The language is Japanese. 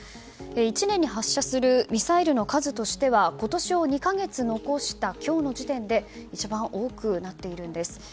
１年に発射するミサイルの数としては今年を２か月残した今日の時点で一番多くなっているんです。